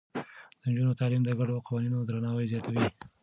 د نجونو تعليم د ګډو قوانينو درناوی زياتوي.